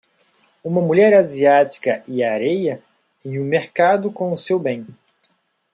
Uma mulher asiática e areia em um mercado com o seu bem.